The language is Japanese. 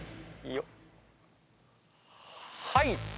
はい！